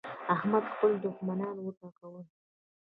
احمد خپل دوښمنان وټکول.